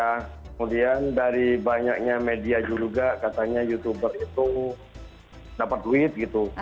kemudian dari banyaknya media juga katanya youtuber itu dapat duit gitu